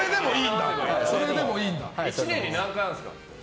１年に何回あるんですか？